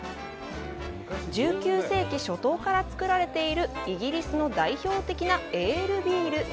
１９世紀初頭から造られているイギリスの代表的なエールビール。